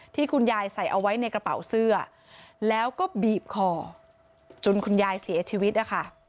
คุณยายใส่เอาไว้ในกระเป๋าเสื้อแล้วก็บีบคอจนคุณยายเสียชีวิตนะคะ